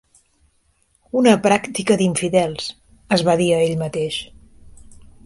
"Una pràctica d'infidels", es va dir a ell mateix.